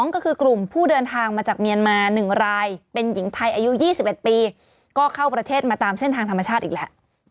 ก็คือกลุ่มผู้เดินทางมาจากเมียนมา๑รายเป็นหญิงไทยอายุ๒๑ปีก็เข้าประเทศมาตามเส้นทางธรรมชาติอีกแหละ